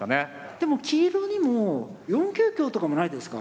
でも黄色にも４九香とかもないですか？